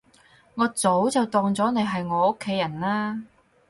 我早就當咗你係我屋企人喇